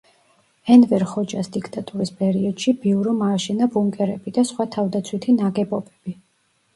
ენვერ ხოჯას დიქტატურის პერიოდში ბიურომ ააშენა ბუნკერები და სხვა თავდაცვითი ნაგებობები.